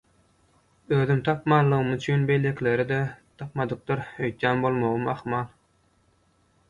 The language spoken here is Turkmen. Özüm tapmanlygym üçin beýlekilere-de tapmadykdyr öýdýän bolmagym ahmal.